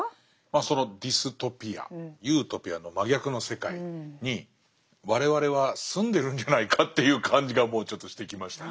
そのディストピアユートピアの真逆の世界に我々は住んでるんじゃないかという感じがもうちょっとしてきましたね。